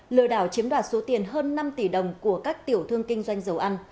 lừa đảo chiếm đoạt số tiền hơn năm tỷ đồng của các tiểu thương kinh doanh dầu ăn